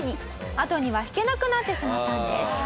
あとには引けなくなってしまったんです。